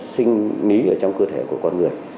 sinh lý ở trong cơ thể của con người